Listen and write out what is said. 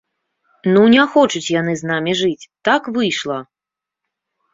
Ну, не хочуць яны з намі жыць, так выйшла!